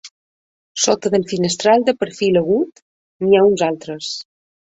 Sota dels finestrals de perfil agut n'hi ha uns altres.